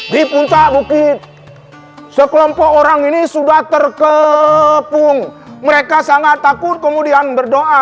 di puncak bukit sekelompok orang ini sudah terkepung mereka sangat takut kemudian berdoa